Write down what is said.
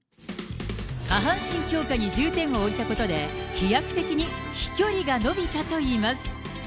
下半身強化に重点を置いたことで、飛躍的に飛距離が伸びたといいます。